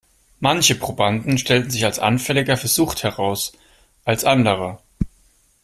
Manche Probanden stellten sich als anfälliger für Sucht heraus als andere.